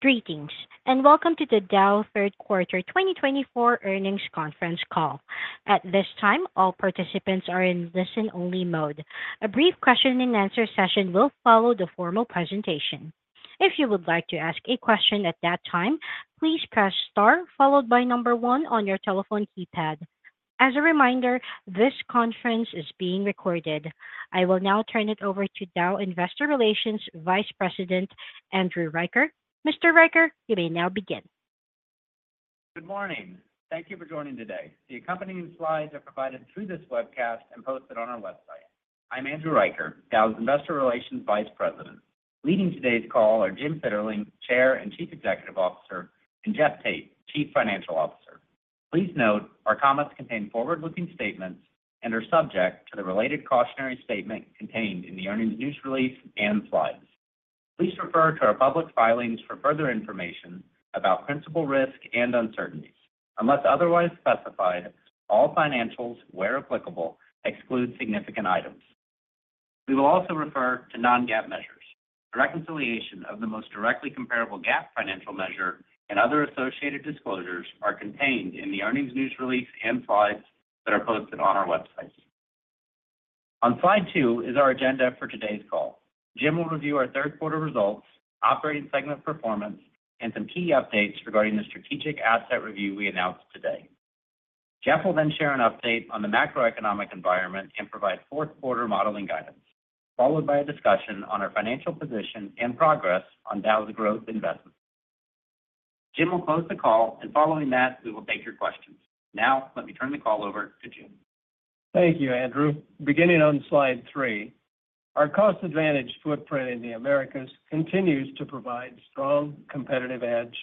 Greetings, and welcome to the Dow Third Quarter Twenty Twenty-four Earnings Conference Call. At this time, all participants are in listen-only mode. A brief question-and-answer session will follow the formal presentation. If you would like to ask a question at that time, please press star followed by number one on your telephone keypad. As a reminder, this conference is being recorded. I will now turn it over to Dow Investor Relations Vice President, Andrew Riker. Mr. Riker, you may now begin. Good morning. Thank you for joining today. The accompanying slides are provided through this webcast and posted on our website. I'm Andrew Riker, Dow's Investor Relations Vice President. Leading today's call are Jim Fitterling, Chair and Chief Executive Officer, and Jeff Tate, Chief Financial Officer. Please note, our comments contain forward-looking statements and are subject to the related cautionary statement contained in the earnings news release and slides. Please refer to our public filings for further information about principal risk and uncertainties. Unless otherwise specified, all financials, where applicable, exclude significant items. We will also refer to non-GAAP measures. A reconciliation of the most directly comparable GAAP financial measure and other associated disclosures are contained in the earnings news release and slides that are posted on our website. On Slide two is our agenda for today's call. Jim will review our third quarter results, operating segment performance, and some key updates regarding the strategic asset review we announced today. Jeff will then share an update on the macroeconomic environment and provide fourth quarter modeling guidance, followed by a discussion on our financial position and progress on Dow's growth investments. Jim will close the call, and following that, we will take your questions. Now, let me turn the call over to Jim. Thank you, Andrew. Beginning on Slide three, our cost advantage footprint in the Americas continues to provide strong competitive edge,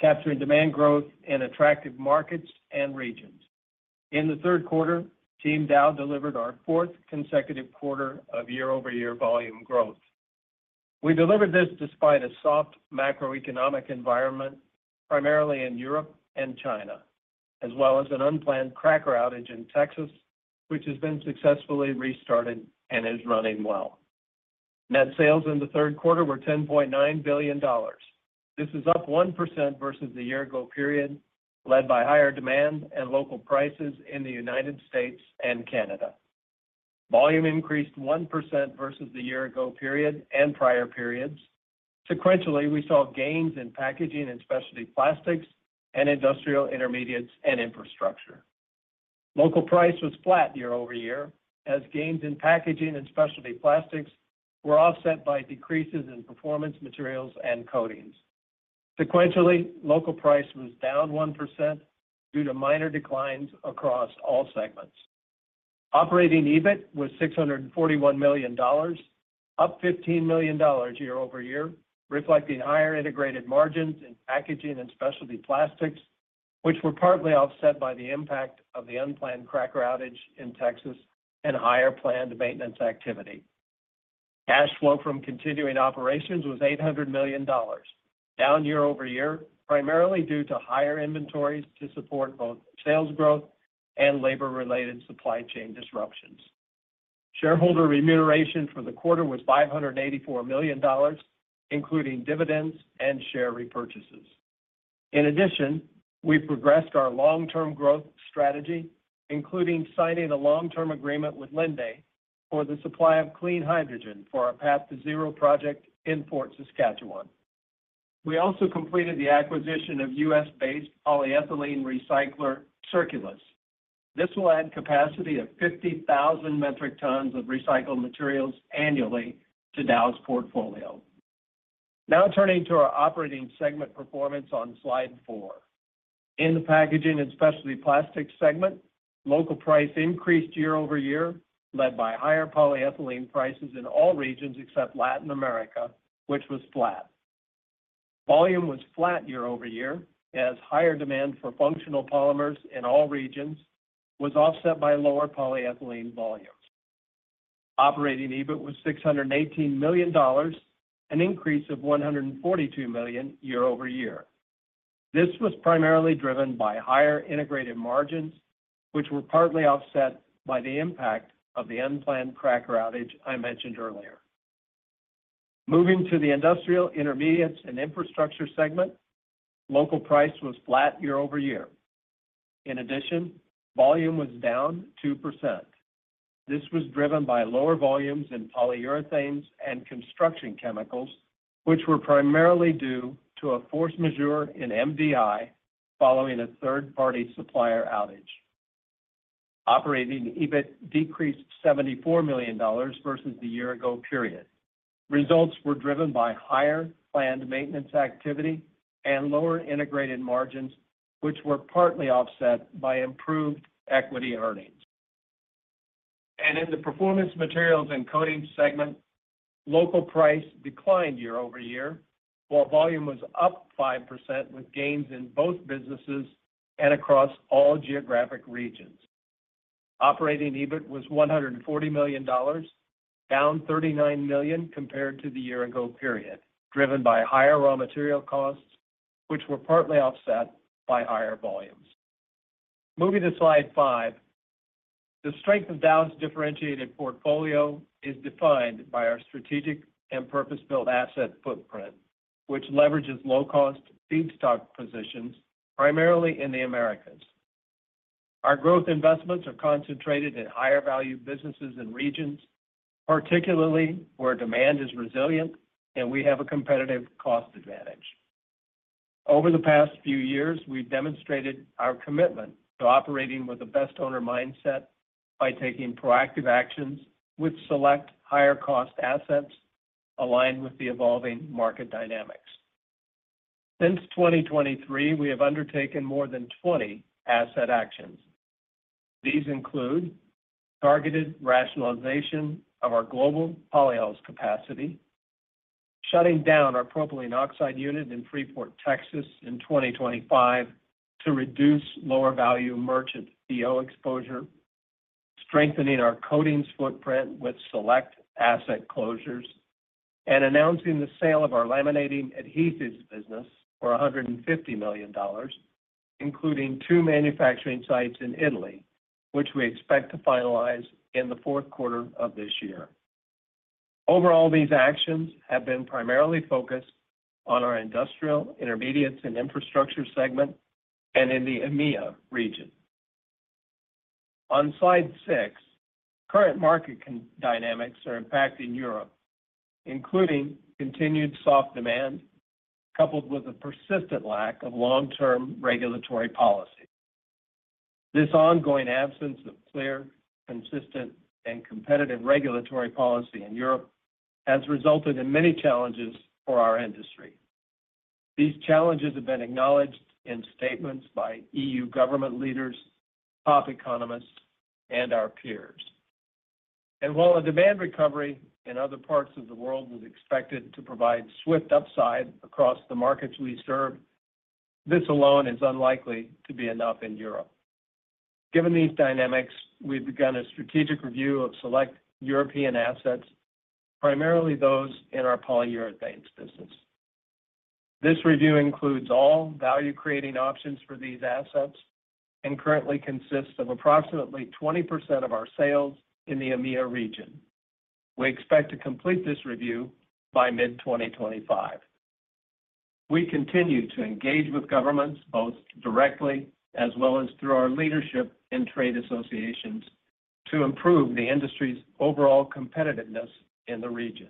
capturing demand growth in attractive markets and regions. In the third quarter, Team Dow delivered our fourth consecutive quarter of year-over-year volume growth. We delivered this despite a soft macroeconomic environment, primarily in Europe and China, as well as an unplanned cracker outage in Texas, which has been successfully restarted and is running well. Net sales in the third quarter were $10.9 billion. This is up 1% versus the year ago period, led by higher demand and local prices in the United States and Canada. Volume increased 1% versus the year ago period and prior periods. Sequentially, we saw gains in packaging and specialty plastics and industrial intermediates and infrastructure. Local price was flat year over year, as gains in packaging and specialty plastics were offset by decreases in performance materials and coatings. Sequentially, local price was down 1% due to minor declines across all segments. Operating EBIT was $641 million, up $15 million year over year, reflecting higher integrated margins in packaging and specialty plastics, which were partly offset by the impact of the unplanned cracker outage in Texas and higher planned maintenance activity. Cash flow from continuing operations was $800 million, down year over year, primarily due to higher inventories to support both sales growth and labor-related supply chain disruptions. Shareholder remuneration for the quarter was $584 million, including dividends and share repurchases. In addition, we progressed our long-term growth strategy, including signing a long-term agreement with Linde for the supply of clean hydrogen for our Path to Zero project in Fort Saskatchewan. We also completed the acquisition of US-based polyethylene recycler, Circulus. This will add capacity of 50,000 metric tons of recycled materials annually to Dow's portfolio. Now turning to our operating segment performance on Slide four. In the packaging and specialty plastics segment, local price increased year over year, led by higher polyethylene prices in all regions except Latin America, which was flat. Volume was flat year over year, as higher demand for functional polymers in all regions was offset by lower polyethylene volumes. Operating EBIT was $618 million, an increase of $142 million year over year. This was primarily driven by higher integrated margins, which were partly offset by the impact of the unplanned cracker outage I mentioned earlier. Moving to the industrial, intermediates, and infrastructure segment, local price was flat year over year. In addition, volume was down 2%. This was driven by lower volumes in polyurethanes and construction chemicals, which were primarily due to a force majeure in MDI following a third-party supplier outage. Operating EBIT decreased $74 million versus the year ago period. Results were driven by higher planned maintenance activity and lower integrated margins, which were partly offset by improved equity earnings. In the performance materials and coatings segment, local price declined year over year, while volume was up 5% with gains in both businesses and across all geographic regions. Operating EBIT was $140 million, down $39 million compared to the year ago period, driven by higher raw material costs, which were partly offset by higher volumes. Moving to Slide 5. The strength of Dow's differentiated portfolio is defined by our strategic and purpose-built asset footprint, which leverages low-cost feedstock positions, primarily in the Americas. Our growth investments are concentrated in higher-value businesses and regions, particularly where demand is resilient, and we have a competitive cost advantage. Over the past few years, we've demonstrated our commitment to operating with the best owner mindset by taking proactive actions with select higher cost assets aligned with the evolving market dynamics. Since 2023, we have undertaken more than 20 asset actions. These include targeted rationalization of our global polyols capacity, shutting down our propylene oxide unit in Freeport, Texas, in 2025 to reduce lower value merchant PO exposure, strengthening our coatings footprint with select asset closures, and announcing the sale of our laminating adhesives business for $150 million, including two manufacturing sites in Italy, which we expect to finalize in the fourth quarter of this year. Overall, these actions have been primarily focused on our industrial, intermediates, and infrastructure segment and in the EMEAI region. On Slide 6, current market conditions dynamics are impacting Europe, including continued soft demand, coupled with a persistent lack of long-term regulatory policy. This ongoing absence of clear, consistent, and competitive regulatory policy in Europe has resulted in many challenges for our industry. These challenges have been acknowledged in statements by EU government leaders, top economists, and our peers. And while a demand recovery in other parts of the world is expected to provide swift upside across the markets we serve, this alone is unlikely to be enough in Europe. Given these dynamics, we've begun a strategic review of select European assets, primarily those in our polyurethanes business. This review includes all value-creating options for these assets and currently consists of approximately 20% of our sales in the EMEAI region. We expect to complete this review by mid-2025. We continue to engage with governments, both directly as well as through our leadership and trade associations, to improve the industry's overall competitiveness in the region.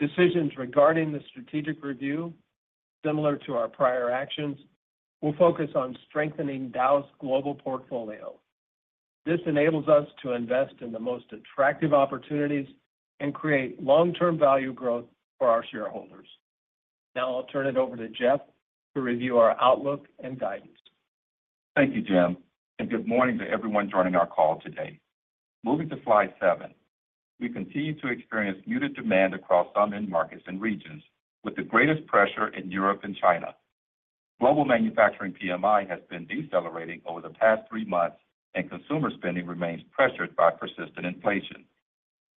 Decisions regarding the strategic review, similar to our prior actions, will focus on strengthening Dow's global portfolio. This enables us to invest in the most attractive opportunities and create long-term value growth for our shareholders. Now I'll turn it over to Jeff to review our outlook and guidance. Thank you, Jim, and good morning to everyone joining our call today. Moving to Slide seven. We continue to experience muted demand across some end markets and regions, with the greatest pressure in Europe and China. Global manufacturing PMI has been decelerating over the past three months, and consumer spending remains pressured by persistent inflation.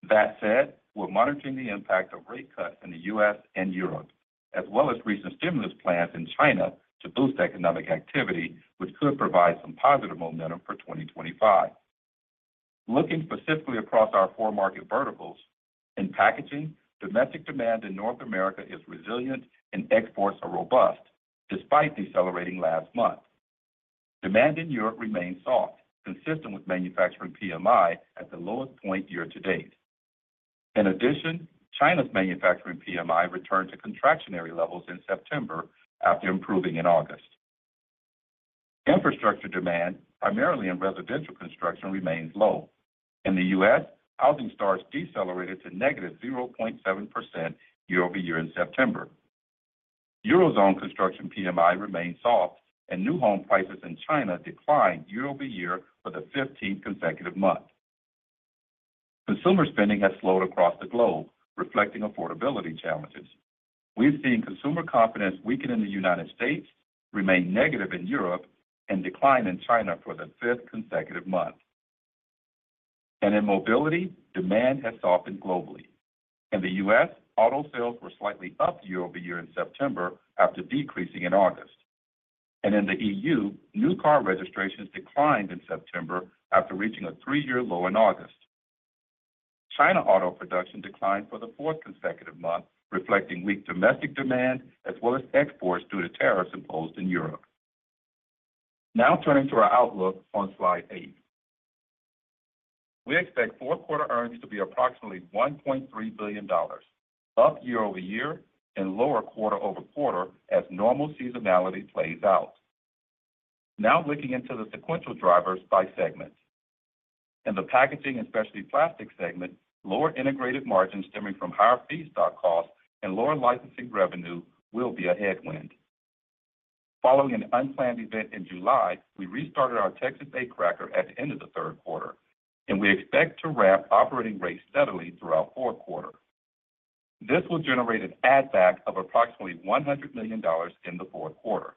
That said, we're monitoring the impact of rate cuts in the U.S. and Europe, as well as recent stimulus plans in China to boost economic activity, which could provide some positive momentum for twenty twenty-five. Looking specifically across our four market verticals. In packaging, domestic demand in North America is resilient, and exports are robust despite decelerating last month. Demand in Europe remains soft, consistent with manufacturing PMI at the lowest point year to date. In addition, China's manufacturing PMI returned to contractionary levels in September after improving in August. Infrastructure demand, primarily in residential construction, remains low. In the U.S., housing starts decelerated to -0.7% year over year in September. Eurozone construction PMI remains soft, and new home prices in China declined year over year for the fifteenth consecutive month. Consumer spending has slowed across the globe, reflecting affordability challenges. We've seen consumer confidence weaken in the United States, remain negative in Europe, and decline in China for the fifth consecutive month, and in mobility, demand has softened globally. In the U.S., auto sales were slightly up year over year in September, after decreasing in August, and in the E.U., new car registrations declined in September after reaching a three-year low in August. China auto production declined for the fourth consecutive month, reflecting weak domestic demand as well as exports due to tariffs imposed in Europe. Now turning to our outlook on Slide eight. We expect fourth quarter earnings to be approximately $1.3 billion, up year over year and lower quarter over quarter as normal seasonality plays out. Now looking into the sequential drivers by segment. In the packaging and specialty plastics segment, lower integrated margins stemming from higher feedstock costs and lower licensing revenue will be a headwind. Following an unplanned event in July, we restarted our Texas-8 cracker at the end of the third quarter, and we expect to ramp operating rates steadily through our fourth quarter. This will generate an add-back of approximately $100 million in the fourth quarter.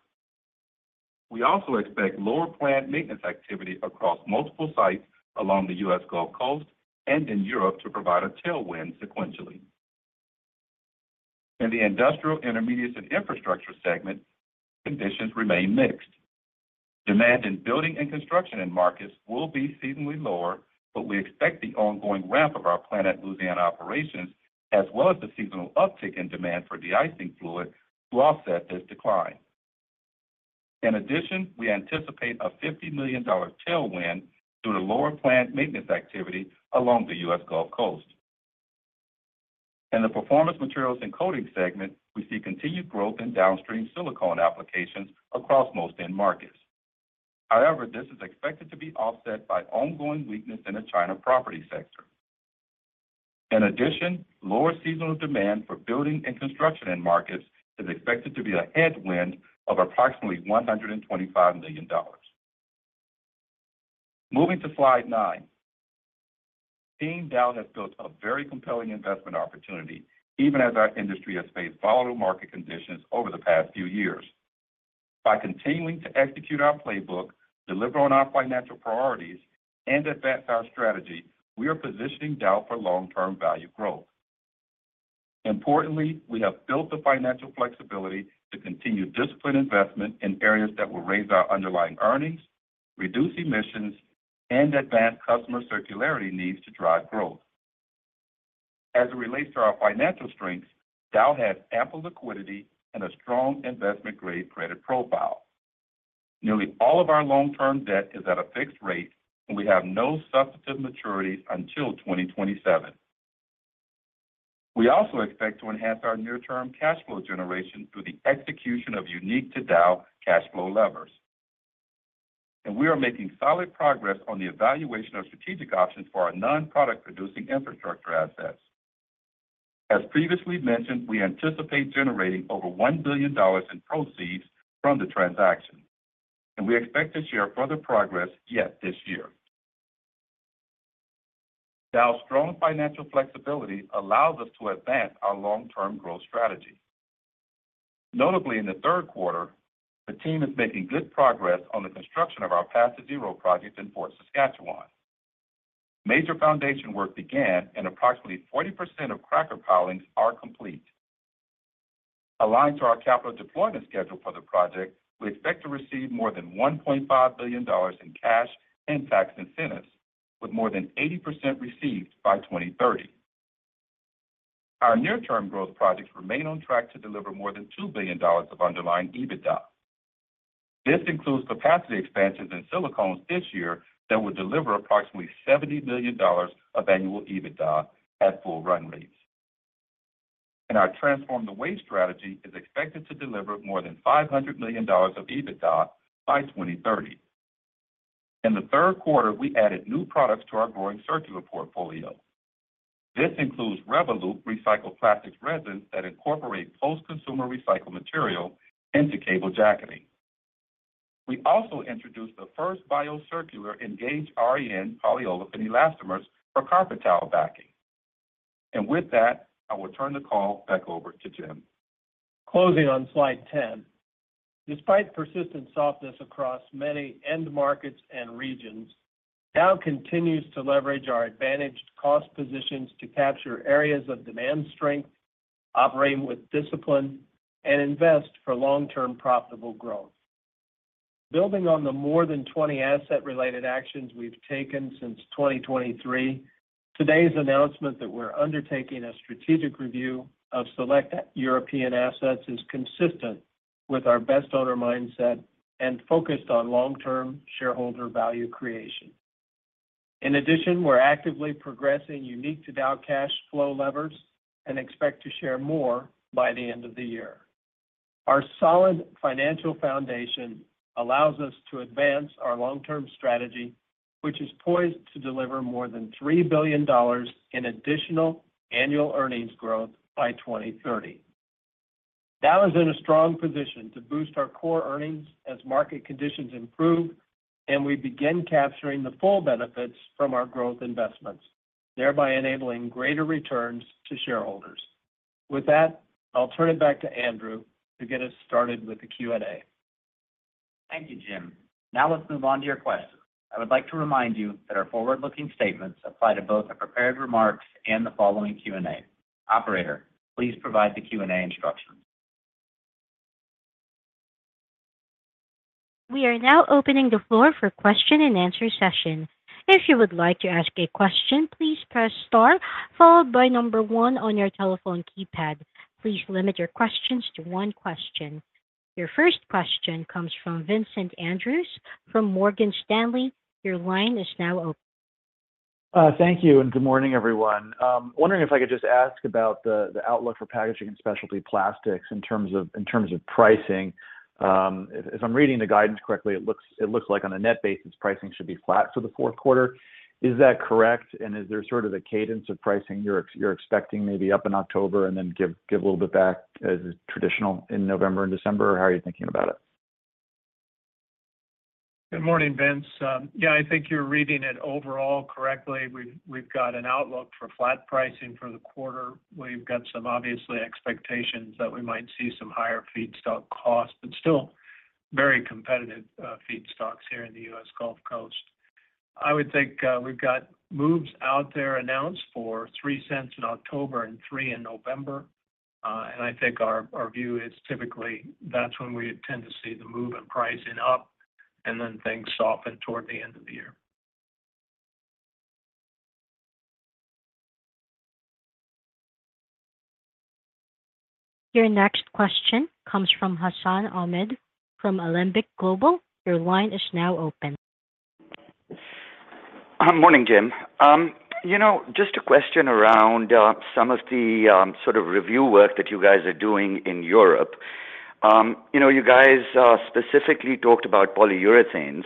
We also expect lower plant maintenance activity across multiple sites along the U.S. Gulf Coast and in Europe to provide a tailwind sequentially. In the Industrial Intermediates and Infrastructure segment, conditions remain mixed. Demand in building and construction end markets will be seasonally lower, but we expect the ongoing ramp of our plant at Louisiana operations, as well as the seasonal uptick in demand for de-icing fluid, to offset this decline. In addition, we anticipate a $50 million tailwind due to lower plant maintenance activity along the U.S. Gulf Coast. In the Performance Materials and Coatings segment, we see continued growth in downstream silicone applications across most end markets. However, this is expected to be offset by ongoing weakness in the China property sector. In addition, lower seasonal demand for building and construction end markets is expected to be a headwind of approximately $125 million. Moving to Slide nine. Team Dow has built a very compelling investment opportunity, even as our industry has faced volatile market conditions over the past few years. By continuing to execute our playbook, deliver on our financial priorities, and advance our strategy, we are positioning Dow for long-term value growth. Importantly, we have built the financial flexibility to continue disciplined investment in areas that will raise our underlying earnings, reduce emissions, and advance customer circularity needs to drive growth. As it relates to our financial strengths, Dow has ample liquidity and a strong investment-grade credit profile. Nearly all of our long-term debt is at a fixed rate, and we have no substantive maturities until 2027. We also expect to enhance our near-term cash flow generation through the execution of unique to Dow cash flow levers. And we are making solid progress on the evaluation of strategic options for our non-product producing infrastructure assets. As previously mentioned, we anticipate generating over $1 billion in proceeds from the transaction, and we expect to share further progress yet this year. Dow's strong financial flexibility allows us to advance our long-term growth strategy. Notably, in the third quarter, the team is making good progress on the construction of our Path to Zero project in Fort Saskatchewan. Major foundation work began, and approximately 40% of cracker pilings are complete. Aligned to our capital deployment schedule for the project, we expect to receive more than $1.5 billion in cash and tax incentives, with more than 80% received by 2030. Our near-term growth projects remain on track to deliver more than $2 billion of underlying EBITDA. This includes capacity expansions in silicones this year that will deliver approximately $70 million of annual EBITDA at full run rates. Our Transform the Way strategy is expected to deliver more than $500 million of EBITDA by 2030. In the third quarter, we added new products to our growing circular portfolio. This includes REVOLVE recycled plastic resins that incorporate post-consumer recycled material into cable jacketing. We also introduced the first bio-circular ENGAGE REN polyolefin elastomers for carpet tile backing. With that, I will turn the call back over to Jim. Closing on slide 10. Despite persistent softness across many end markets and regions, Dow continues to leverage our advantaged cost positions to capture areas of demand strength, operating with discipline, and invest for long-term profitable growth. Building on the more than 20 asset-related actions we've taken since 2023, today's announcement that we're undertaking a strategic review of select European assets is consistent with our best owner mindset and focused on long-term shareholder value creation. In addition, we're actively progressing unique to Dow cash flow levers and expect to share more by the end of the year. Our solid financial foundation allows us to advance our long-term strategy, which is poised to deliver more than $3 billion in additional annual earnings growth by 2030. Dow is in a strong position to boost our core earnings as market conditions improve, and we begin capturing the full benefits from our growth investments, thereby enabling greater returns to shareholders. With that, I'll turn it back to Andrew to get us started with the Q&A. Thank you, Jim. Now, let's move on to your questions. I would like to remind you that our forward-looking statements apply to both the prepared remarks and the following Q&A. Operator, please provide the Q&A instructions. We are now opening the floor for question and answer session. If you would like to ask a question, please press Star, followed by number one on your telephone keypad. Please limit your questions to one question. Your first question comes from Vincent Andrews from Morgan Stanley. Your line is now open. Thank you, and good morning, everyone. Wondering if I could just ask about the outlook for packaging and specialty plastics in terms of pricing. If I'm reading the guidance correctly, it looks like on a net basis, pricing should be flat for the fourth quarter. Is that correct? And is there sort of a cadence of pricing you're expecting maybe up in October, and then give a little bit back as is traditional in November and December? Or how are you thinking about it? Good morning, Vince. Yeah, I think you're reading it overall correctly. We've got an outlook for flat pricing for the quarter. We've got some, obviously, expectations that we might see some higher feedstock costs, but still very competitive feedstocks here in the US Gulf Coast. I would think, we've got moves out there announced for $0.03 in October and $0.03 in November. And I think our view is typically that's when we tend to see the move in pricing up, and then things soften toward the end of the year. Your next question comes from Hassan Ahmed from Alembic Global. Your line is now open. Morning, Jim. You know, just a question around some of the sort of review work that you guys are doing in Europe. You know, you guys specifically talked about polyurethanes,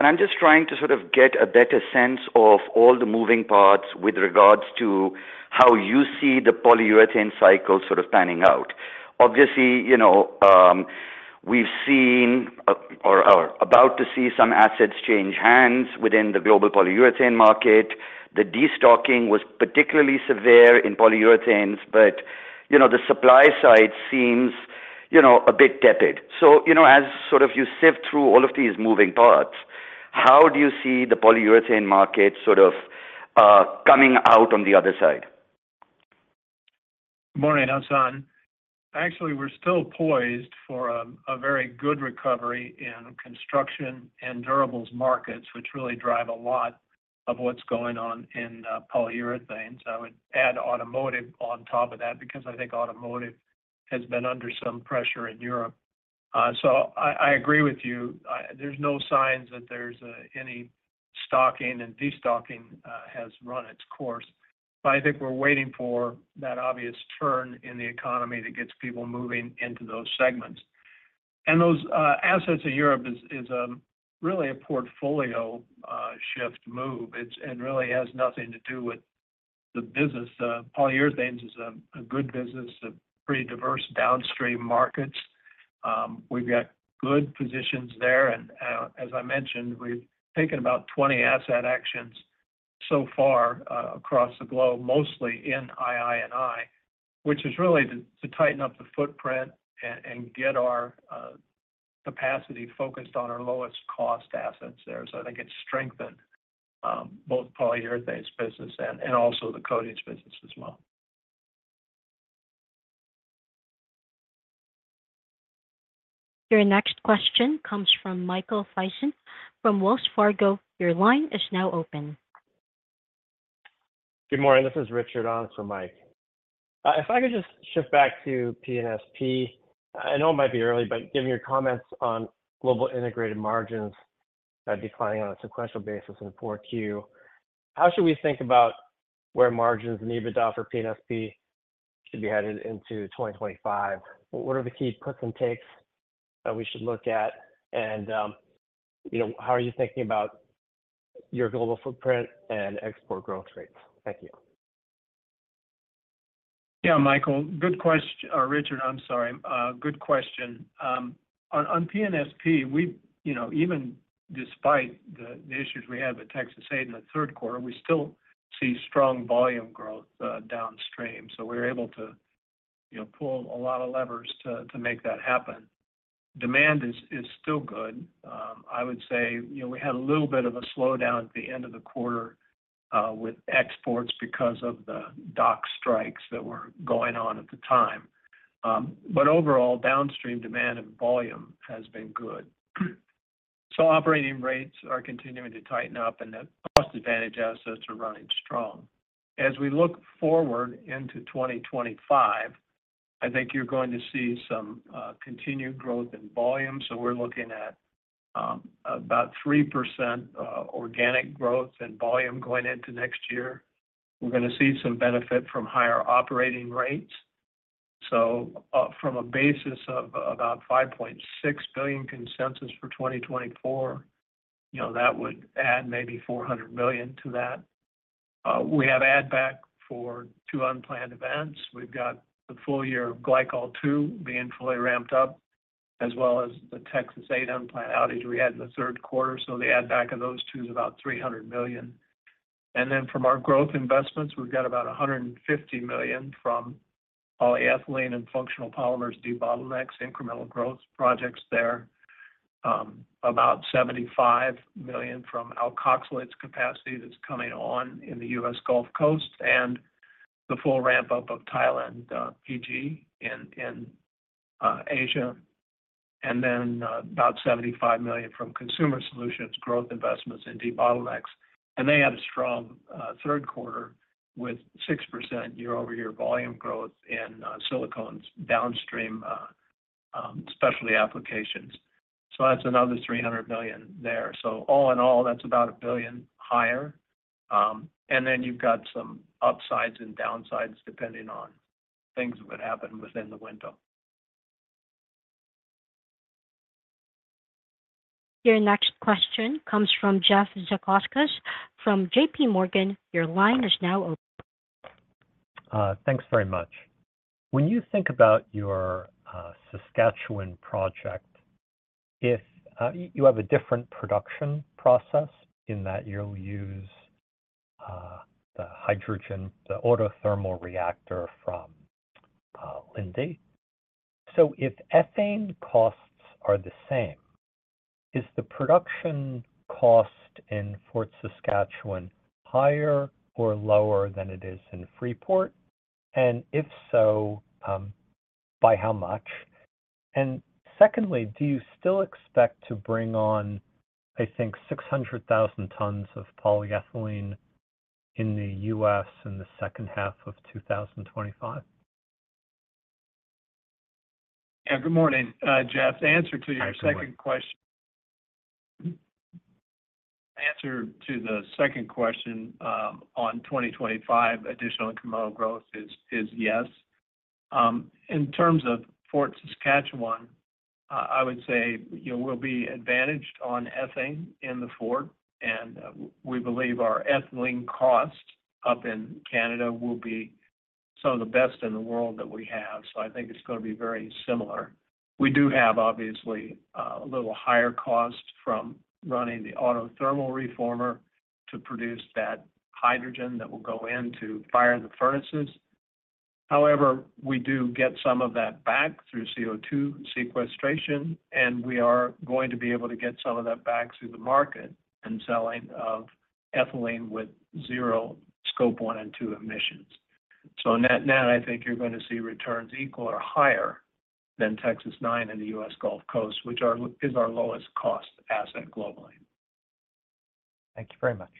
and I'm just trying to sort of get a better sense of all the moving parts with regards to how you see the polyurethane cycle sort of panning out. Obviously, you know, we've seen or about to see some assets change hands within the global polyurethane market. The destocking was particularly severe in polyurethanes, but, you know, the supply side seems, you know, a bit tepid. So, you know, as sort of you sift through all of these moving parts, how do you see the polyurethane market sort of coming out on the other side? Morning, Hassan. Actually, we're still poised for a very good recovery in construction and durables markets, which really drive a lot of what's going on in polyurethanes. I would add automotive on top of that because I think automotive has been under some pressure in Europe. So I agree with you. There's no signs that there's any stocking, and destocking has run its course. But I think we're waiting for that obvious turn in the economy that gets people moving into those segments. And those assets in Europe is really a portfolio shift move. It's and really has nothing to do with the business. Polyurethanes is a good business, a pretty diverse downstream markets. We've got good positions there, and as I mentioned, we've taken about 20 asset actions so far, across the globe, mostly in II&I, which is really to tighten up the footprint and get our capacity focused on our lowest cost assets there. So I think it's strengthened both polyurethanes business and also the coatings business as well. Your next question comes from Michael Sison from Wells Fargo. Your line is now open. Good morning. This is Richard on for Mike. If I could just shift back to P&SP. I know it might be early, but given your comments on global integrated margins are declining on a sequential basis in the 4Q, how should we think about where margins and EBITDA for P&SP should be headed into 2025? What are the key puts and takes that we should look at? You know, how are you thinking about your global footprint and export growth rates? Thank you. Yeah, Richard, I'm sorry. Good question. On P&SP, we've, you know, even despite the issues we had with the Texas storm in the third quarter, we still see strong volume growth downstream, so we're able to, you know, pull a lot of levers to make that happen. Demand is still good. I would say, you know, we had a little bit of a slowdown at the end of the quarter with exports because of the dock strikes that were going on at the time. But overall, downstream demand and volume has been good. So operating rates are continuing to tighten up, and the cost advantage assets are running strong. As we look forward into twenty twenty-five, I think you're going to see some continued growth in volume. We're looking at about 3% organic growth in volume going into next year. We're gonna see some benefit from higher operating rates. From a basis of about $5.6 billion consensus for 2024, you know, that would add maybe $400 million to that. We have add back for two unplanned events. We've got the full year of Glycol-2 being fully ramped up, as well as the Texas A&M unplanned outage we had in the third quarter. The add back of those two is about $300 million. Then from our growth investments, we've got about $150 million from polyethylene and functional polymers debottlenecks, incremental growth projects there. About $75 million from alkoxylates capacity that's coming on in the U.S. Gulf Coast and the full ramp-up of Thailand PG in Asia. And then, about $75 million from Consumer Solutions growth investments in debottlenecks. And they had a strong third quarter with 6% year-over-year volume growth in silicones downstream specialty applications. So that's another $300 million there. So all in all, that's about $1 billion higher. And then you've got some upsides and downsides, depending on things that would happen within the window. Your next question comes from Jeffrey Zekauskas from JPMorgan. Your line is now open. Thanks very much. When you think about your Saskatchewan project, if you have a different production process in that you'll use- Hydrogen, the autothermal reformer from Linde. So if ethane costs are the same, is the production cost in Fort Saskatchewan higher or lower than it is in Freeport? And if so, by how much? And secondly, do you still expect to bring on, I think, six hundred thousand tons of polyethylene in the U.S. in the second half of two thousand and twenty-five? Yeah. Good morning, Jeff. Answer to your second question- Hi, good morning. Answer to the second question, on twenty twenty-five, additional incremental growth is yes. In terms of Fort Saskatchewan, I would say, you know, we'll be advantaged on ethane in the Fort, and we believe our ethylene cost up in Canada will be some of the best in the world that we have. So I think it's gonna be very similar. We do have, obviously, a little higher cost from running the Autothermal Reformer to produce that hydrogen that will go in to fire the furnaces. However, we do get some of that back through CO2 sequestration, and we are going to be able to get some of that back through the market and selling of ethylene with zero Scope 1 and 2 emissions. So net, net, I think you're gonna see returns equal or higher than Texas-9 in the U.S. Gulf Coast, which is our lowest cost asset globally. Thank you very much.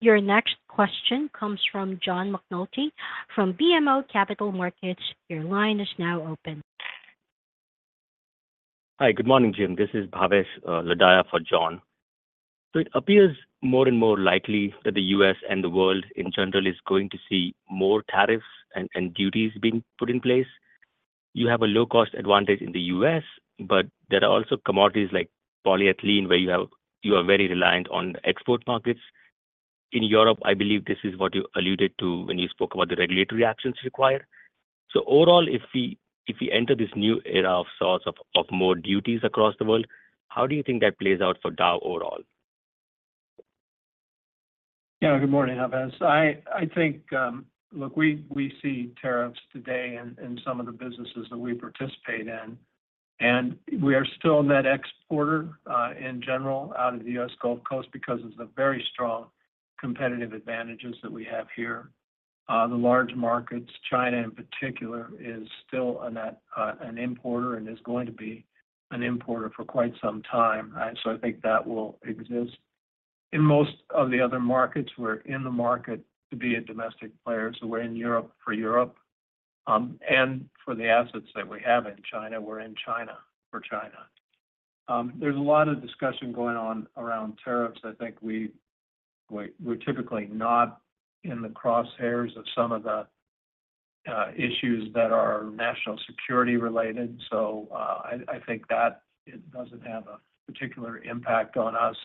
Your next question comes from John McNulty from BMO Capital Markets. Your line is now open. Hi. Good morning, Jim. This is Bhavesh Lodaya for John. So it appears more and more likely that the US and the world in general is going to see more tariffs and duties being put in place. You have a low cost advantage in the US, but there are also commodities like polyethylene, where you are very reliant on export markets. In Europe, I believe this is what you alluded to when you spoke about the regulatory actions required. So overall, if we enter this new era of sorts of more duties across the world, how do you think that plays out for Dow overall? Yeah, good morning, Bhavesh. I think, Look, we see tariffs today in some of the businesses that we participate in, and we are still a net exporter, in general, out of the US Gulf Coast because of the very strong competitive advantages that we have here. The large markets, China in particular, is still a net importer and is going to be an importer for quite some time. So I think that will exist. In most of the other markets, we're in the market to be a domestic player, so we're in Europe for Europe. And for the assets that we have in China, we're in China for China. There's a lot of discussion going on around tariffs. I think we're typically not in the crosshairs of some of the issues that are national security related, so I think that it doesn't have a particular impact on us.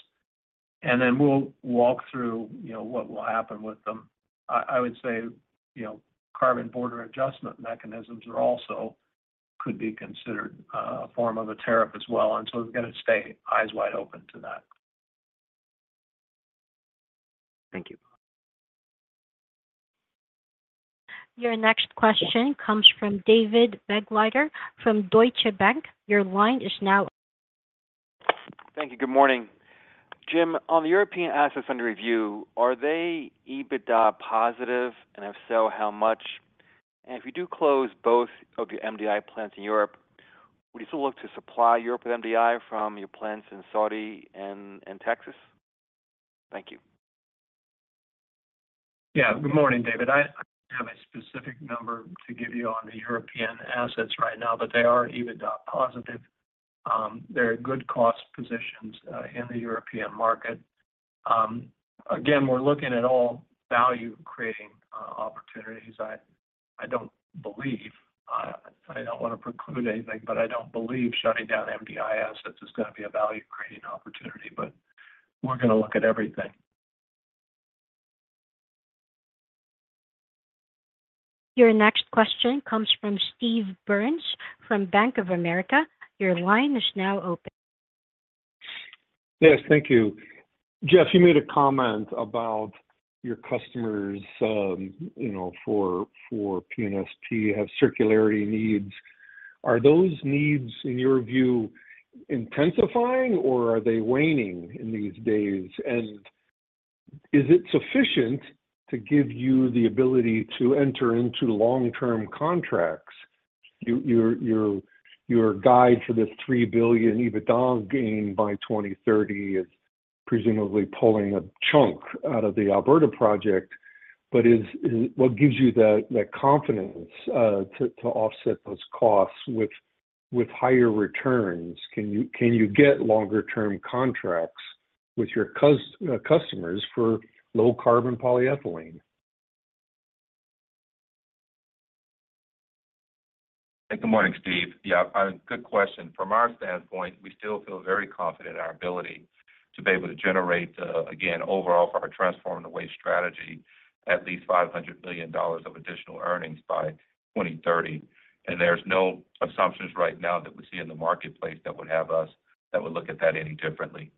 And then we'll walk through, you know, what will happen with them. I would say, you know, carbon border adjustment mechanisms are also could be considered a form of a tariff as well, and so we're gonna stay eyes wide open to that. Thank you. Your next question comes from David Begleiter from Deutsche Bank. Your line is now- Thank you. Good morning. Jim, on the European assets under review, are they EBITDA positive? And if so, how much? And if you do close both of your MDI plants in Europe, would you still look to supply Europe with MDI from your plants in Saudi and Texas? Thank you. Yeah. Good morning, David. I don't have a specific number to give you on the European assets right now, but they are EBITDA positive. They're at good cost positions in the European market. Again, we're looking at all value-creating opportunities. I don't believe I don't want to preclude anything, but I don't believe shutting down MDI assets is gonna be a value-creating opportunity, but we're gonna look at everything. Your next question comes from Steve Byrne from Bank of America. Your line is now open. Yes, thank you. Jeff, you made a comment about your customers, you know, for PNST have circularity needs. Are those needs, in your view, intensifying or are they waning in these days? And is it sufficient to give you the ability to enter into long-term contracts? Your guide for this $3 billion EBITDA gain by 2030 is presumably pulling a chunk out of the Alberta project, but what gives you the confidence to offset those costs with higher returns? Can you get longer term contracts with your customers for low-carbon polyethylene? Good morning, Steve. Yeah, good question. From our standpoint, we still feel very confident in our ability to be able to generate, again, overall, for our Transform the Way strategy, at least $500 billion of additional earnings by 2030. And there's no assumptions right now that we see in the marketplace that would have us, that would look at that any differently.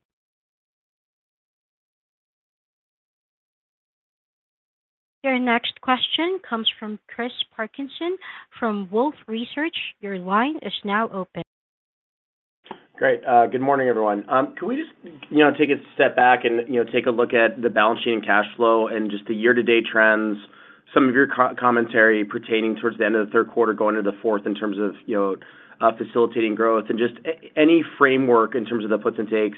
Your next question comes from Chris Parkinson from Wolfe Research. Your line is now open. Great. Good morning, everyone. Can we just, you know, take a step back and, you know, take a look at the balance sheet and cash flow and just the year-to-date trends, some of your color commentary pertaining towards the end of the third quarter, going into the fourth in terms of, you know, facilitating growth, and just any framework in terms of the puts and takes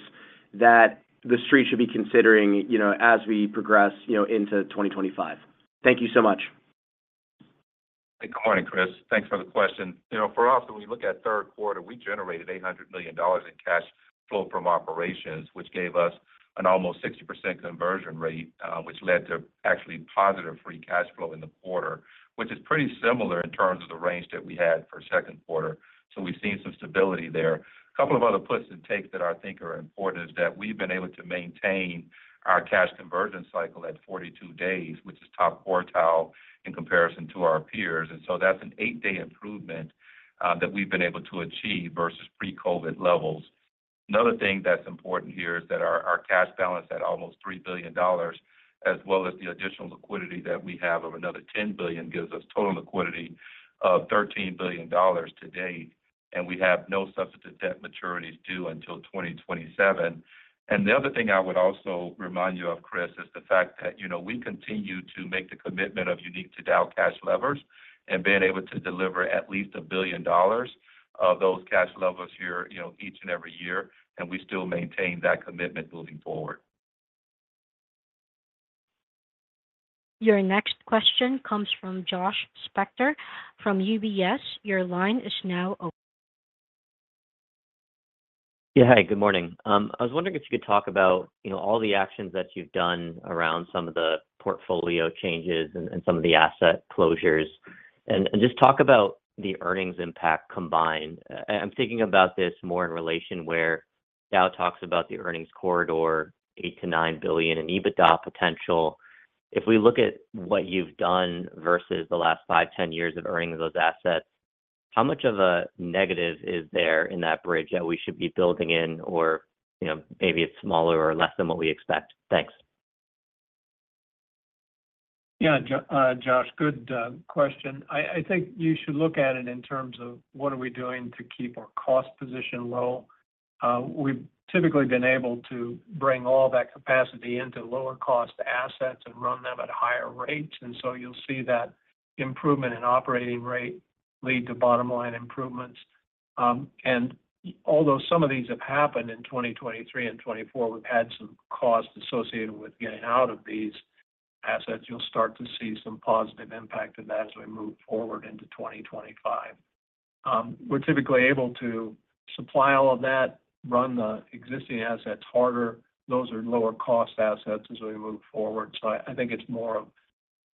that the Street should be considering, you know, as we progress, you know, into twenty twenty-five? Thank you so much. Good morning, Chris. Thanks for the question. You know, for us, when we look at third quarter, we generated $800 million in cash flow from operations, which gave us an almost 60% conversion rate, which led to actually positive free cash flow in the quarter, which is pretty similar in terms of the range that we had for second quarter. So we've seen some stability there. A couple of other puts and takes that I think are important is that we've been able to maintain our cash conversion cycle at 42 days, which is top quartile in comparison to our peers. And so that's an 8-day improvement, that we've been able to achieve versus pre-COVID levels. Another thing that's important here is that our cash balance at almost $3 billion, as well as the additional liquidity that we have of another $10 billion, gives us total liquidity of $13 billion to date, and we have no substantive debt maturities due until 2027. And the other thing I would also remind you of, Chris, is the fact that, you know, we continue to make the commitment of unique to Dow cash levers and being able to deliver at least $1 billion of those cash levers here, you know, each and every year, and we still maintain that commitment moving forward. Your next question comes from Josh Spector from UBS. Your line is now open. Yeah. Hi, good morning. I was wondering if you could talk about, you know, all the actions that you've done around some of the portfolio changes and some of the asset closures, and just talk about the earnings impact combined. I'm thinking about this more in relation where Dow talks about the earnings corridor, eight to nine billion in EBITDA potential. If we look at what you've done versus the last five, 10 years of earnings of those assets, how much of a negative is there in that bridge that we should be building in? Or, you know, maybe it's smaller or less than what we expect. Thanks. Yeah, Josh, good question. I think you should look at it in terms of what are we doing to keep our cost position low. We've typically been able to bring all that capacity into lower cost assets and run them at higher rates, and so you'll see that improvement in operating rate lead to bottom line improvements. And although some of these have happened in twenty twenty-three and twenty twenty-four, we've had some costs associated with getting out of these assets. You'll start to see some positive impact of that as we move forward into twenty twenty-five. We're typically able to supply all of that, run the existing assets harder. Those are lower cost assets as we move forward. So I think it's more of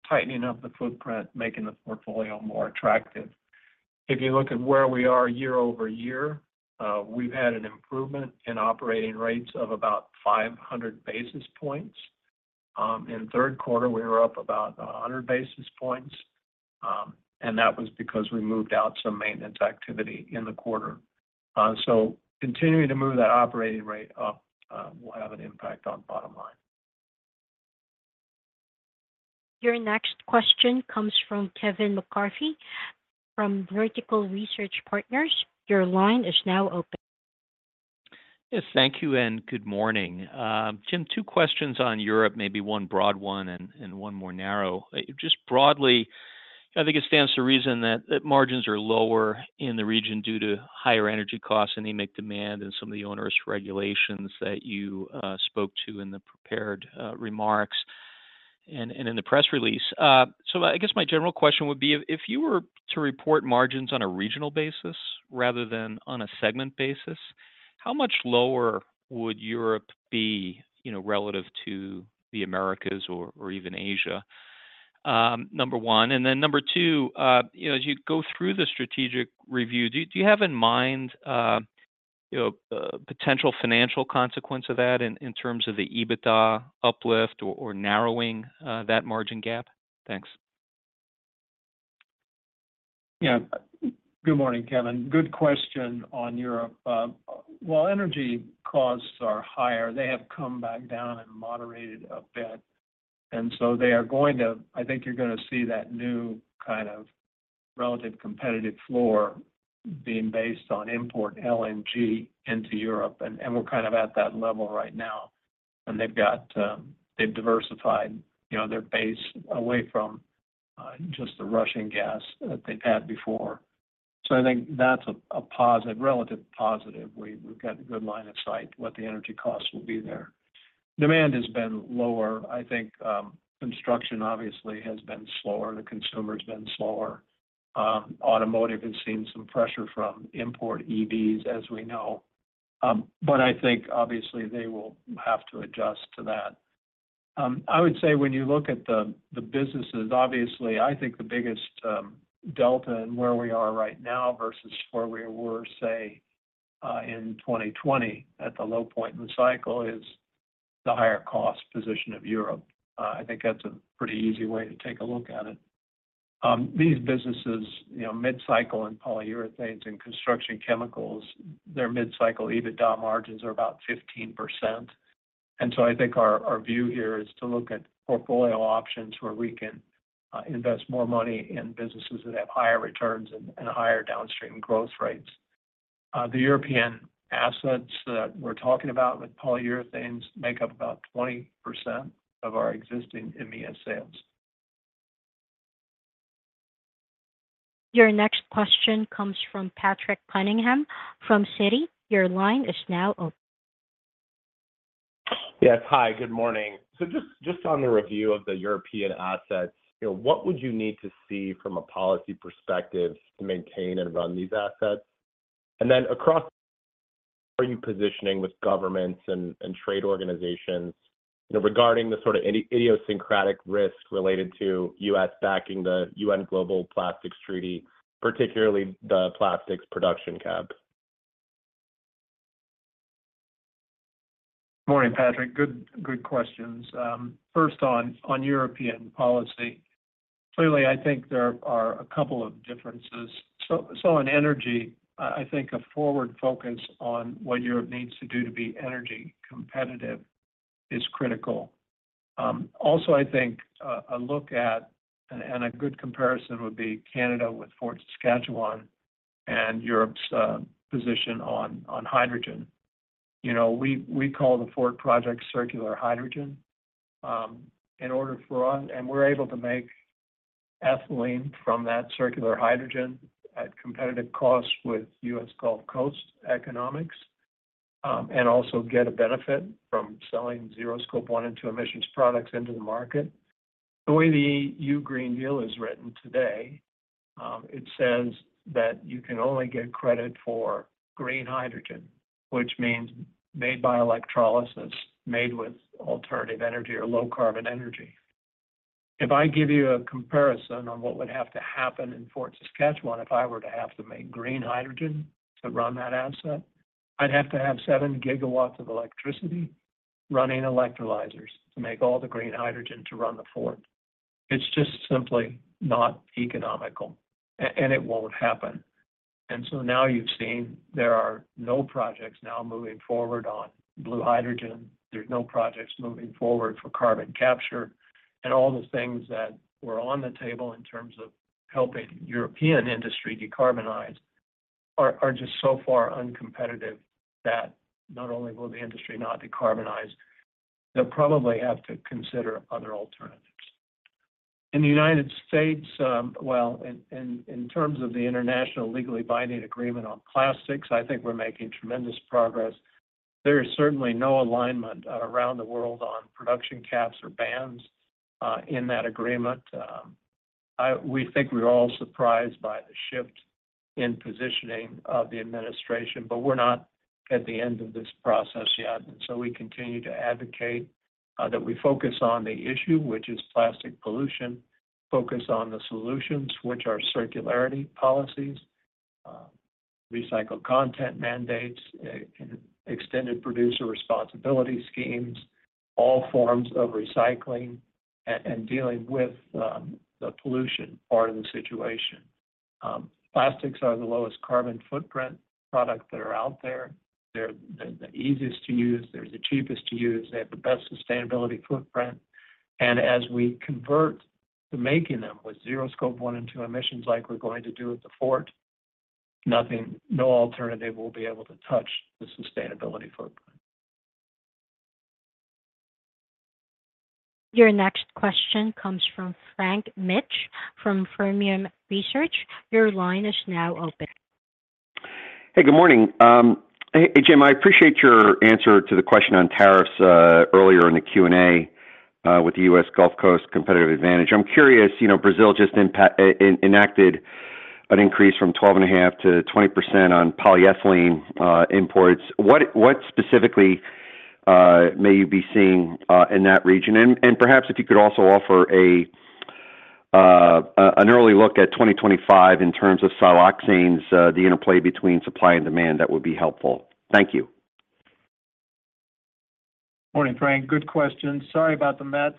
tightening up the footprint, making the portfolio more attractive. If you look at where we are year over year, we've had an improvement in operating rates of about five hundred basis points. In the third quarter, we were up about a hundred basis points, and that was because we moved out some maintenance activity in the quarter. So continuing to move that operating rate up will have an impact on bottom line. Your next question comes from Kevin McCarthy from Vertical Research Partners. Your line is now open. Yes, thank you, and good morning. Jim, two questions on Europe, maybe one broad one and one more narrow. Just broadly, I think it stands to reason that margins are lower in the region due to higher energy costs and anemic demand and some of the onerous regulations that you spoke to in the prepared remarks and in the press release. So I guess my general question would be, if you were to report margins on a regional basis rather than on a segment basis, how much lower would Europe be, you know, relative to the Americas or even Asia? Number one, and then number two, you know, as you go through the strategic review, do you have in mind, you know, potential financial consequence of that in terms of the EBITDA uplift or narrowing that margin gap? Thanks. Yeah. Good morning, Kevin. Good question on Europe. Well, energy costs are higher. They have come back down and moderated a bit, and so they are going to. I think you're gonna see that new kind of relative competitive floor being based on import LNG into Europe, and we're kind of at that level right now. And they've got, they've diversified, you know, their base away from just the Russian gas that they've had before. So I think that's a positive, relative positive. We've got a good line of sight what the energy costs will be there. Demand has been lower. I think construction obviously has been slower, the consumer's been slower. Automotive has seen some pressure from import EVs, as we know, but I think obviously they will have to adjust to that. I would say when you look at the businesses, obviously, I think the biggest delta in where we are right now versus where we were, say, in 2020, at the low point in the cycle, is the higher cost position of Europe. I think that's a pretty easy way to take a look at it. These businesses, you know, mid-cycle and polyurethanes and construction chemicals, their mid-cycle EBITDA margins are about 15%. And so I think our view here is to look at portfolio options where we can invest more money in businesses that have higher returns and higher downstream growth rates. The European assets that we're talking about with polyurethanes make up about 20% of our existing EMEA sales. Your next question comes from Patrick Cunningham from Citi. Your line is now open. Yes. Hi, good morning. So just on the review of the European assets, you know, what would you need to see from a policy perspective to maintain and run these assets? And then across, are you positioning with governments and trade organizations, you know, regarding the sort of idiosyncratic risk related to U.S. backing the U.N. Global Plastics Treaty, particularly the plastics production cap? Morning, Patrick. Good, good questions. First on European policy. Clearly, I think there are a couple of differences. So in energy, I think a forward focus on what Europe needs to do to be energy competitive is critical. Also, I think a look at, and a good comparison would be Canada with Fort Saskatchewan and Europe's position on hydrogen. You know, we call the Fort project circular hydrogen in order for us, and we're able to make ethylene from that circular hydrogen at competitive costs with US Gulf Coast economics, and also get a benefit from selling zero Scope 1 and 2 emissions products into the market. The way the EU Green Deal is written today, it says that you can only get credit for green hydrogen, which means made by electrolysis, made with alternative energy or low carbon energy. If I give you a comparison on what would have to happen in Fort Saskatchewan, if I were to have to make green hydrogen to run that asset, I'd have to have seven gigawatts of electricity running electrolyzers to make all the green hydrogen to run the Fort. It's just simply not economical, and it won't happen, and so now you've seen there are no projects now moving forward on blue hydrogen. There's no projects moving forward for carbon capture. And all the things that were on the table in terms of helping European industry decarbonize are just so far uncompetitive that not only will the industry not decarbonize, they'll probably have to consider other alternatives. In the United States, in terms of the international legally binding agreement on plastics, I think we're making tremendous progress. There is certainly no alignment around the world on production caps or bans in that agreement. We think we're all surprised by the shift in positioning of the administration, but we're not at the end of this process yet. And so we continue to advocate that we focus on the issue, which is plastic pollution, focus on the solutions, which are circularity policies, recycled content mandates, extended producer responsibility schemes, all forms of recycling and dealing with the pollution part of the situation. Plastics are the lowest carbon footprint products that are out there. They're the, the easiest to use, they're the cheapest to use, they have the best sustainability footprint. And as we convert to making them with zero Scope 1 and 2 emissions, like we're going to do with the Fort, nothing, no alternative will be able to touch the sustainability footprint. Your next question comes from Frank Mitch from Fermium Research. Your line is now open. Hey, good morning. Hey, Jim, I appreciate your answer to the question on tariffs earlier in the Q&A with the US Gulf Coast competitive advantage. I'm curious, you know, Brazil just enacted an increase from 12.5% to 20% on polyethylene imports. What specifically may you be seeing in that region? And perhaps if you could also offer an early look at 2025 in terms of siloxanes, the interplay between supply and demand, that would be helpful. Thank you. Morning, Frank. Good question. Sorry about the Mets.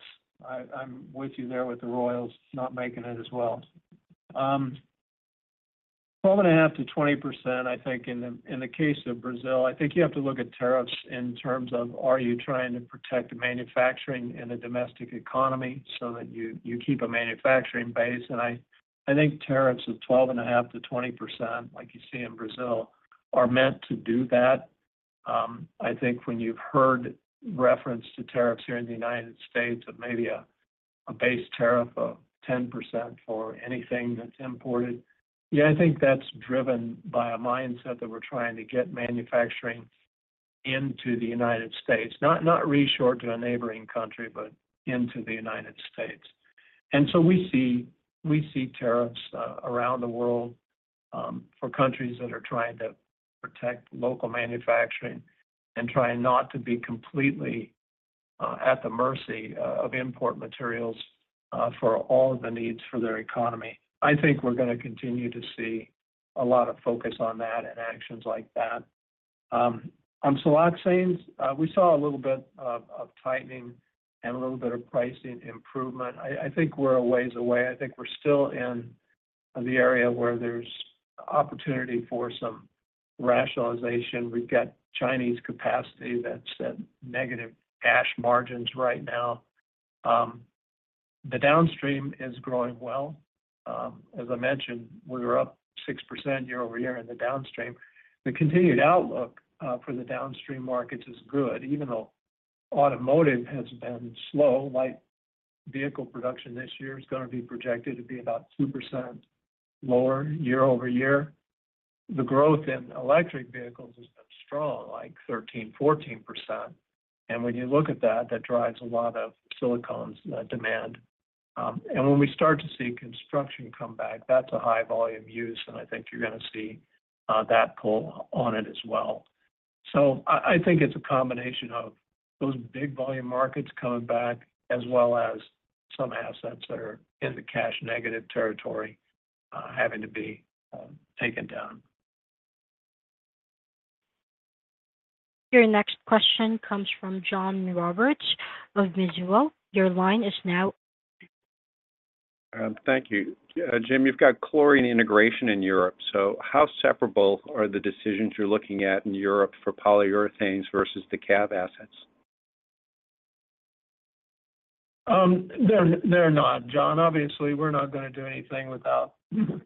I, I'm with you there with the Royals not making it as well. 12.5%-20%, I think in the case of Brazil, I think you have to look at tariffs in terms of, are you trying to protect manufacturing in a domestic economy so that you, you keep a manufacturing base? And I, I think tariffs of 12.5%-20%, like you see in Brazil, are meant to do that. I think when you've heard reference to tariffs here in the United States of maybe a base tariff of 10% for anything that's imported, yeah, I think that's driven by a mindset that we're trying to get manufacturing into the United States, not, not reshore to a neighboring country, but into the United States. And so we see tariffs around the world for countries that are trying to protect local manufacturing and trying not to be completely at the mercy of import materials for all the needs for their economy. I think we're gonna continue to see a lot of focus on that and actions like that. On siloxanes, we saw a little bit of tightening and a little bit of pricing improvement. I think we're a ways away. I think we're still in the area where there's opportunity for some rationalization. We've got Chinese capacity that's at negative cash margins right now. The downstream is growing well. As I mentioned, we were up 6% year-over-year in the downstream. The continued outlook for the downstream markets is good, even though automotive has been slow. Light vehicle production this year is gonna be projected to be about 2% lower year-over-year. The growth in electric vehicles has been strong, like 13, 14%, and when you look at that, that drives a lot of silicones demand. And when we start to see construction come back, that's a high volume use, and I think you're gonna see that pull on it as well. So I think it's a combination of those big volume markets coming back, as well as some assets that are in the cash negative territory, having to be taken down. Your next question comes from John Roberts of Mizuho. Your line is now- Thank you. Jim, you've got chlorine integration in Europe, so how separable are the decisions you're looking at in Europe for polyurethanes versus the CAV assets? They're not, John. Obviously, we're not gonna do anything without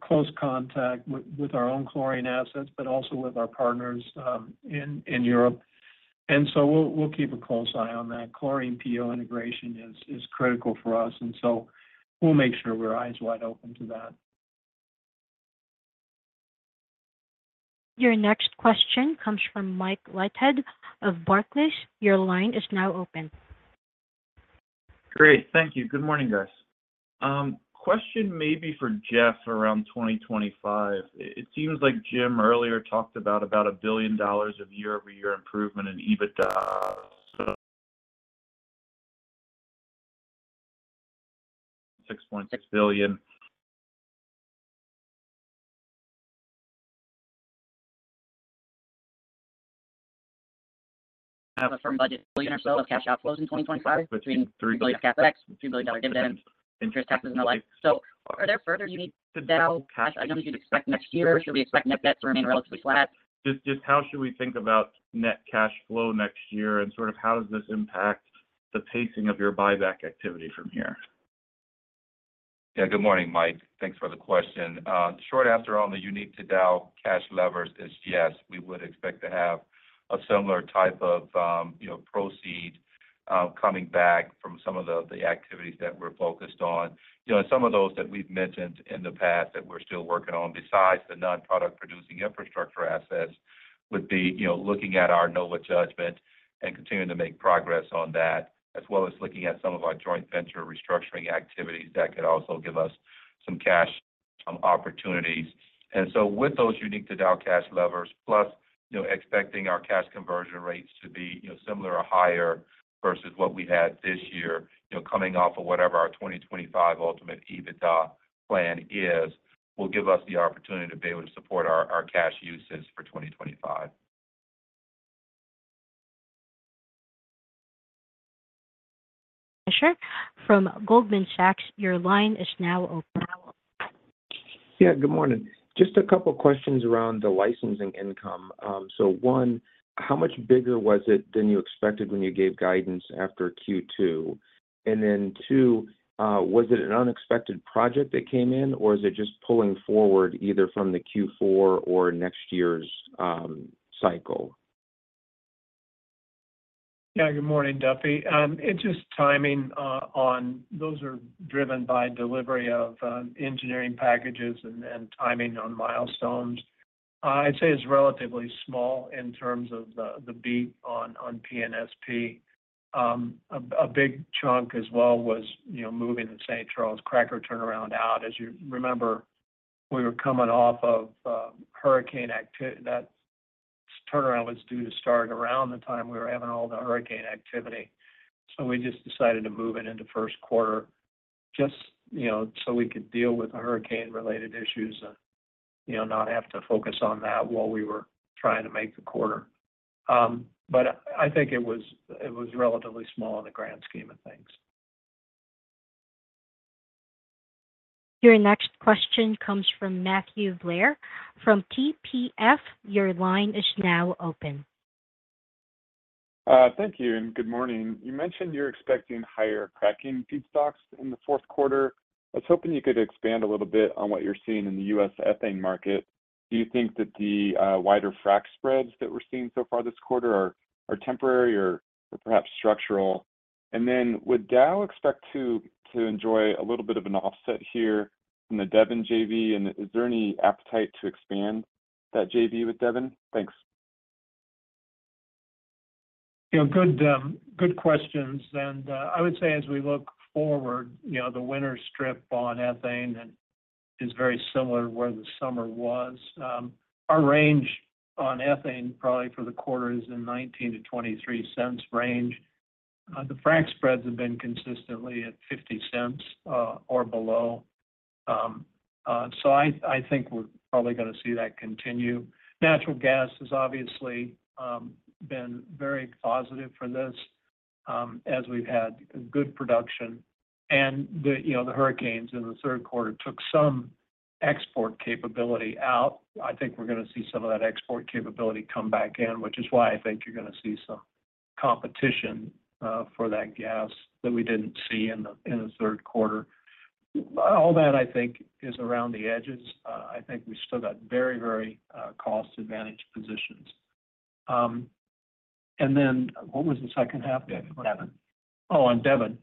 close contact with our own chlorine assets, but also with our partners in Europe. And so we'll keep a close eye on that. Chlorine PO integration is critical for us, and so we'll make sure we're eyes wide open to that. Your next question comes from Michael Leithead of Barclays. Your line is now open. Great. Thank you. Good morning, guys. Question maybe for Jeff around 2025. It seems like Jim earlier talked about a billion dollars of year-over-year improvement in EBITDA. So $6.6 billion. Firm's budgeted cash outflows in 2025 between $3 billion CapEx, $2 billion dividends, interest, taxes, and the like. So are there further unique cash items you'd expect next year, or should we expect net debt to remain relatively flat? Just how should we think about net cash flow next year, and sort of how does this impact the pacing of your buyback activity from here? Yeah, good morning, Mike. Thanks for the question. Short answer on the unique to Dow cash levers is, yes, we would expect to have a similar type of, you know, proceeds coming back from some of the activities that we're focused on. You know, and some of those that we've mentioned in the past that we're still working on, besides the non-product producing infrastructure assets, would be, you know, looking at our Nova judgment and continuing to make progress on that, as well as looking at some of our joint venture restructuring activities that could also give us some cash opportunities. And so with those unique to Dow cash levers, plus, you know, expecting our cash conversion rates to be, you know, similar or higher versus what we had this year, you know, coming off of whatever our 2025 ultimate EBITDA plan is, will give us the opportunity to be able to support our cash uses for 2025. Fischer from Goldman Sachs, your line is now open. Yeah, good morning. Just a couple questions around the licensing income. So one, how much bigger was it than you expected when you gave guidance after Q2? And then two, was it an unexpected project that came in, or is it just pulling forward either from the Q4 or next year's, cycle? Yeah, good morning, Duffy. It's just timing on those. Those are driven by delivery of engineering packages and timing on milestones. I'd say it's relatively small in terms of the beat on PNSP. A big chunk as well was, you know, moving the St. Charles cracker turnaround out. As you remember, we were coming off of hurricane activity. That turnaround was due to start around the time we were having all the hurricane activity, so we just decided to move it into first quarter just, you know, so we could deal with the hurricane-related issues and, you know, not have to focus on that while we were trying to make the quarter. But I think it was relatively small in the grand scheme of things. Your next question comes from Matthew Blair from TPH. Your line is now open. Thank you, and good morning. You mentioned you're expecting higher cracking feedstocks in the fourth quarter. I was hoping you could expand a little bit on what you're seeing in the U.S. ethane market. Do you think that the wider frac spreads that we're seeing so far this quarter are temporary or perhaps structural? And then would Dow expect to enjoy a little bit of an offset here from the Devon JV, and is there any appetite to expand that JV with Devon? Thanks. You know, good questions, and I would say as we look forward, you know, the winter strip on ethane and is very similar to where the summer was. Our range on ethane, probably for the quarter, is in the $0.19-$0.23 range. The fracc spreads have been consistently at $0.50 or below. So I think we're probably gonna see that continue. Natural gas has obviously been very positive for this, as we've had good production. And the, you know, the hurricanes in the third quarter took some export capability out. I think we're gonna see some of that export capability come back in, which is why I think you're gonna see some competition for that gas that we didn't see in the third quarter. All that I think is around the edges. I think we've still got very, very cost advantage positions. And then what was the second half, David, what happened? Oh, on Devon.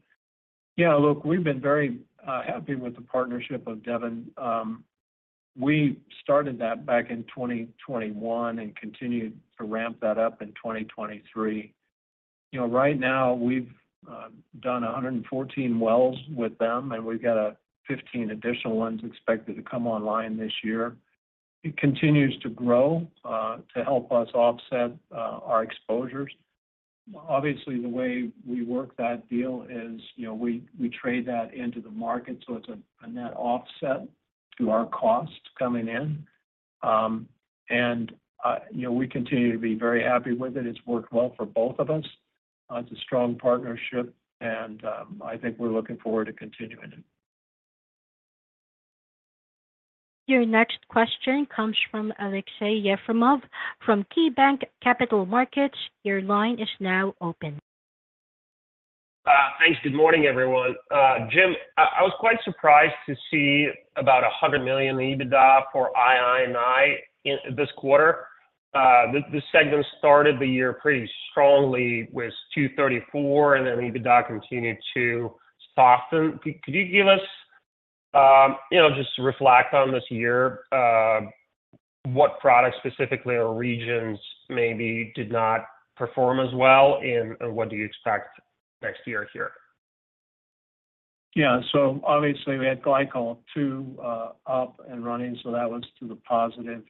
Yeah, look, we've been very happy with the partnership of Devon. We started that back in 2021 and continued to ramp that up in 2023. You know, right now, we've done 114 wells with them, and we've got 15 additional ones expected to come online this year. It continues to grow to help us offset our exposures. Obviously, the way we work that deal is, you know, we trade that into the market, so it's a net offset to our costs coming in. And, you know, we continue to be very happy with it. It's worked well for both of us. It's a strong partnership, and I think we're looking forward to continuing it. Your next question comes from Alexei Yefremov, from KeyBanc Capital Markets. Your line is now open. Thanks. Good morning, everyone. Jim, I was quite surprised to see about $100 million EBITDA for II&I in this quarter. The segment started the year pretty strongly with $234 million, and then EBITDA continued to soften. Could you give us, you know, just reflect on this year, what products specifically or regions maybe did not perform as well, and what do you expect next year here? Yeah, so obviously, we had Glycol 2 up and running, so that was to the positive.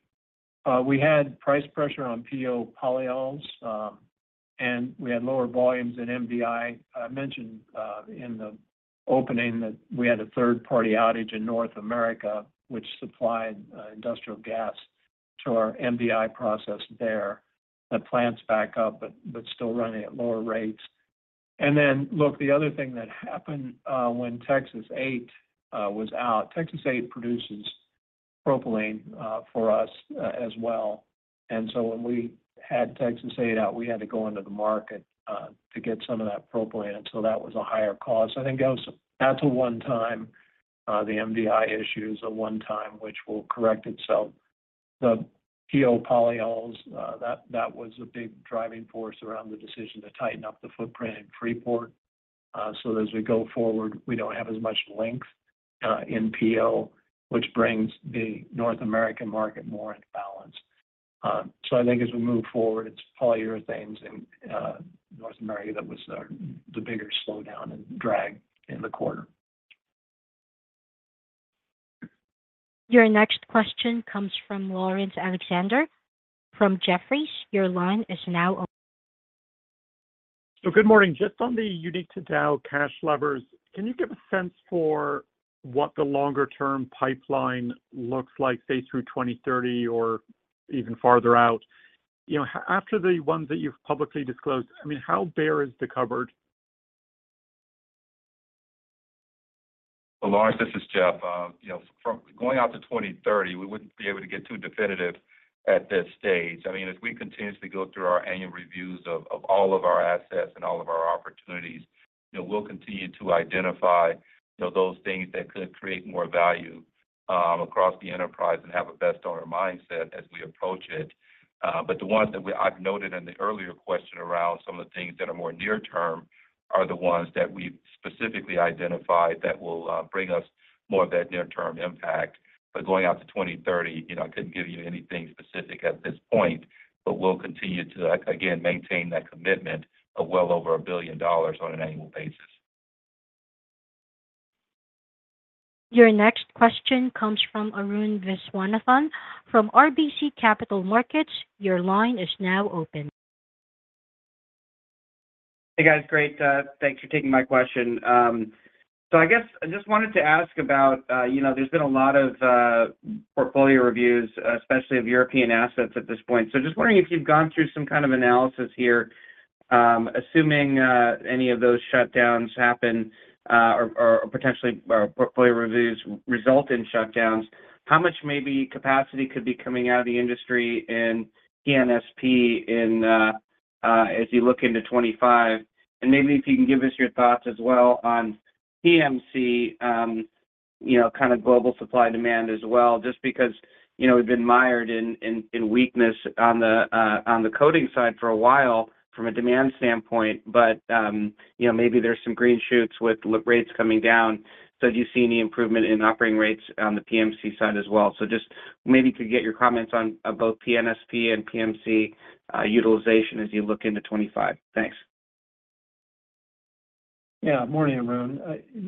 We had price pressure on PO polyols, and we had lower volumes in MDI. I mentioned in the opening that we had a third-party outage in North America, which supplied industrial gas to our MDI process there. The plant's back up, but still running at lower rates. And then, look, the other thing that happened when Texas 8 was out, Texas 8 produces propylene for us as well. And so when we had Texas 8 out, we had to go into the market to get some of that propylene, and so that was a higher cost. I think that's a one-time, the MDI issue is a one-time, which will correct itself. The PO polyols, that was a big driving force around the decision to tighten up the footprint in Freeport, so as we go forward, we don't have as much length in PO, which brings the North American market more into balance, so I think as we move forward, it's polyurethanes in North America that was the bigger slowdown and drag in the quarter. Your next question comes from Lawrence Alexander, from Jefferies. Your line is now open. Good morning. Just on the unique to Dow cash levers, can you give a sense for what the longer-term pipeline looks like, say, through 2030 or even farther out? You know, after the ones that you've publicly disclosed, I mean, how bare is the cupboard? Lawrence, this is Jeff. You know, from going out to 2030, we wouldn't be able to get too definitive at this stage. I mean, as we continuously go through our annual reviews of all of our assets and all of our opportunities, you know, we'll continue to identify those things that could create more value across the enterprise and have a best owner mindset as we approach it. But the ones that I've noted in the earlier question around some of the things that are more near term are the ones that we've specifically identified that will bring us more of that near-term impact. But going out to 2030, you know, I couldn't give you anything specific at this point, but we'll continue to, again, maintain that commitment of well over $1 billion on an annual basis. Your next question comes from Arun Viswanathan, from RBC Capital Markets. Your line is now open. Hey, guys. Great, thanks for taking my question. So I guess I just wanted to ask about, you know, there's been a lot of portfolio reviews, especially of European assets at this point. So just wondering if you've gone through some kind of analysis here, assuming any of those shutdowns happen, or potentially or portfolio reviews result in shutdowns, how much maybe capacity could be coming out of the industry in PNSP in, as you look into twenty-five? Maybe if you can give us your thoughts as well on PMC, you know, kind of global supply and demand as well, just because, you know, we've been mired in weakness on the coatings side for a while from a demand standpoint, but, you know, maybe there's some green shoots with lower rates coming down. Do you see any improvement in operating rates on the PMC side as well? Just maybe to get your comments on both PNSP and PMC utilization as you look into 2025. Thanks. Yeah, morning, Arun.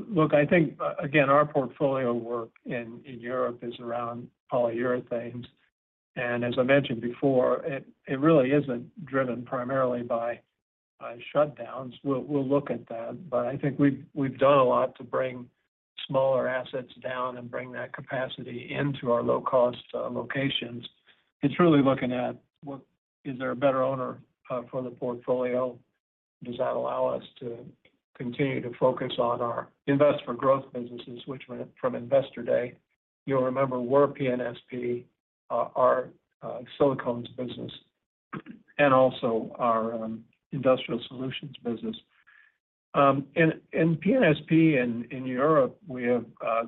Look, I think, again, our portfolio work in Europe is around polyurethanes, and as I mentioned before, it really isn't driven primarily by shutdowns. We'll look at that, but I think we've done a lot to bring smaller assets down and bring that capacity into our low-cost locations. It's really looking at what is there a better owner for the portfolio? Does that allow us to continue to focus on our invest for growth businesses, which were, from Investor Day, you'll remember, were PNSP, our silicones business, and also our industrial solutions business. In PNSP, in Europe, we have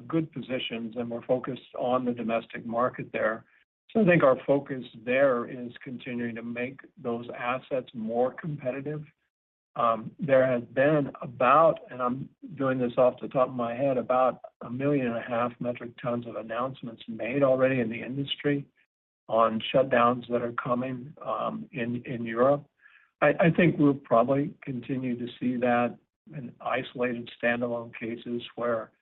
good positions, and we're focused on the domestic market there. So I think our focus there is continuing to make those assets more competitive. There has been about, and I'm doing this off the top of my head, about a million and a half metric tons of announcements made already in the industry on shutdowns that are coming in Europe. I think we'll probably continue to see that in isolated, standalone cases where,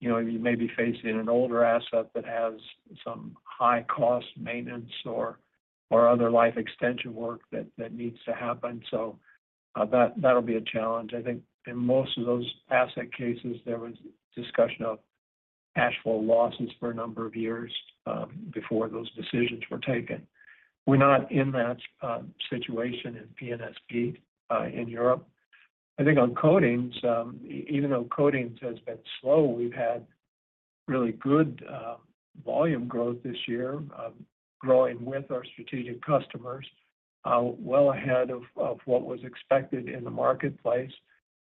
you know, you may be facing an older asset that has some high cost maintenance or other life extension work that needs to happen. So, that'll be a challenge. I think in most of those asset cases, there was discussion of actual losses for a number of years before those decisions were taken. We're not in that situation in PNSP in Europe. I think on coatings, even though coatings has been slow, we've had really good volume growth this year, growing with our strategic customers, well ahead of what was expected in the marketplace,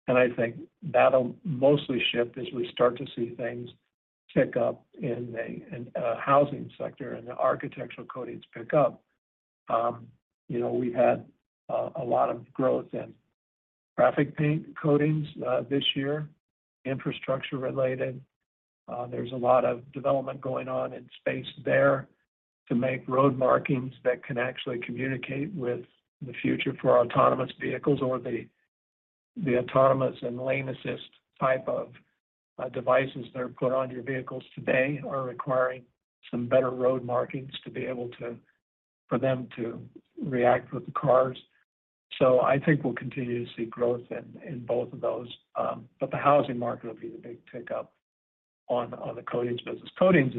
and I think that'll mostly shift as we start to see things pick up in the housing sector and the architectural coatings pick up. You know, we've had a lot of growth in traffic paint coatings this year, infrastructure related. There's a lot of development going on in space there to make road markings that can actually communicate with the future for autonomous vehicles or the autonomous and lane assist type of devices that are put on your vehicles today are requiring some better road markings to be able to for them to react with the cars. So I think we'll continue to see growth in both of those. But the housing market will be the big pickup on the coatings business. Coatings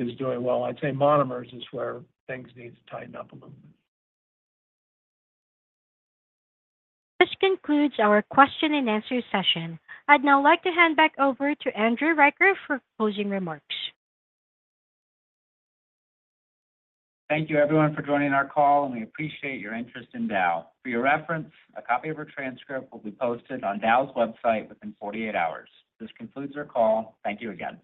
is doing well. I'd say monomers is where things need to tighten up a little bit. This concludes our question and answer session. I'd now like to hand back over to Andrew Riker for closing remarks. Thank you, everyone, for joining our call, and we appreciate your interest in Dow. For your reference, a copy of our transcript will be posted on Dow's website within forty-eight hours. This concludes our call. Thank you again.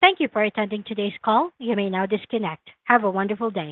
Thank you for attending today's call. You may now disconnect. Have a wonderful day.